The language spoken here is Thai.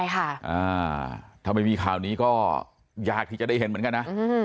ถ้าไม่มีข่าวนี้ก็ยากที่จะได้เห็นเหมือนกันนะ